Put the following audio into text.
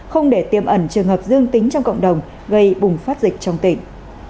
không để tiêm ẩn trường hợp dương tính trong cộng đồng gây bùng phát dịch trong tỉnh